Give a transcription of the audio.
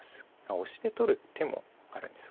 オシて取る手もあるんですか。